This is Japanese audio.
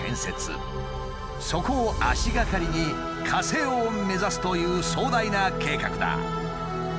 そこを足がかりに火星を目指すという壮大な計画だ。